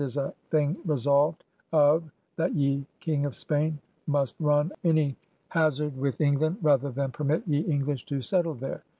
And that it is a thing resolved of, that ye King of Spain must run any hazard with England rather than permit ye English to settle there.